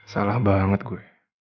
salah banget gue